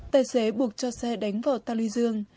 tài xế buộc cho xe đánh vào tăng lươi dương